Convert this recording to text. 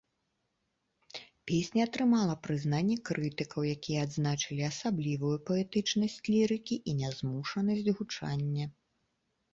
Песня атрымала прызнанне крытыкаў, якія адзначылі асаблівую паэтычнасці лірыкі і нязмушанасць гучання.